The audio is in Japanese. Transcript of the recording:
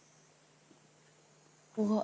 うわっ。